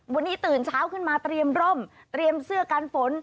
วันนี้ตื่นเช้าขึ้นมาเตรียมร่มเตรียมเสื้อกันฝน